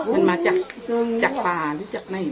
มันมาจากจากป่าหรือจากไม่